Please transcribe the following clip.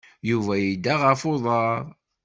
Yuba yedda ɣef uḍaṛ.